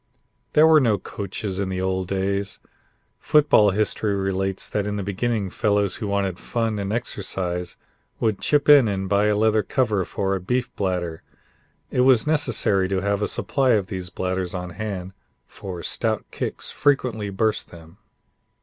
There were no coaches in the old days. Football history relates that in the beginning fellows who wanted fun and exercise would chip in and buy a leather cover for a beef bladder. It was necessary to have a supply of these bladders on hand, for stout kicks frequently burst them.